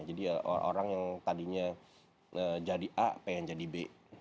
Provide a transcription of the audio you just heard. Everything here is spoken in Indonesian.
jadi orang yang tadinya jadi a pengen jadi b